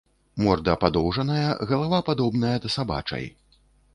Морда падоўжаная, галава падобная да сабачай.